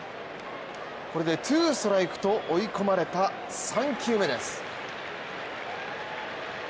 これでツーストライクと追い込まれた３球目です。